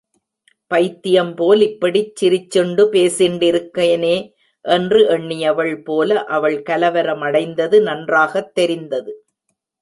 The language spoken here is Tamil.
பைத்தியம்போல் இப்படிச் சிரிச்சுண்டு பேசிண்டிருக்கேனே! என்று எண்ணினவள் போல அவள் கலவரமடைந்தது நன்றாகத் தெரிந்தது.